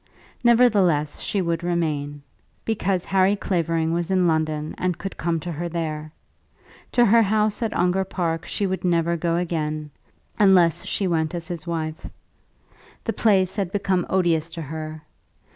Nevertheless, she would remain; because Harry Clavering was in London and could come to her there. To her house at Ongar Park she would never go again, unless she went as his wife. The place had become odious to her.